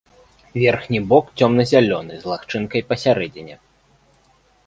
Верхні бок цёмна-зялёны, з лагчынкай пасярэдзіне.